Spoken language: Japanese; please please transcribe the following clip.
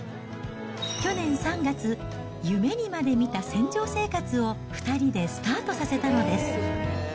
去年３月、夢にまで見た船上生活を２人でスタートさせたのです。